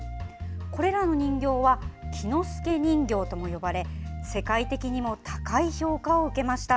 これらの人形は喜之助人形とも呼ばれ世界的にも高い評価を受けました。